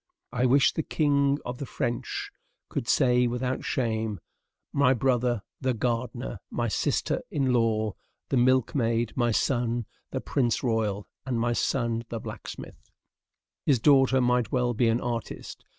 I wish the king of the French could say without shame, "My brother the gardener, my sister in law the milk maid, my son the prince royal, and my son the blacksmith." His daughter might well be an artist.